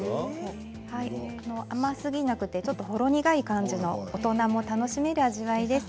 甘すぎなくてちょっとほろ苦い感じの大人も楽しめる味わいです。